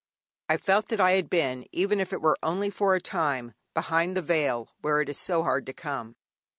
I felt that I had been even if it were only for a time behind the veil, where it is so hard to come.